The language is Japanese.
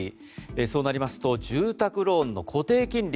そうなりますと住宅ローンの固定金利